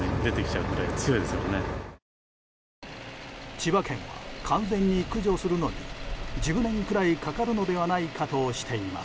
千葉県は完全に駆除するのに１０年くらいかかるのではないかとしています。